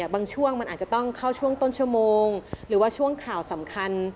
บางช่วงมันอาจจะต้องเข้าช่วงต้นชั่วโมงหรือว่าช่วงข่าวสำคัญ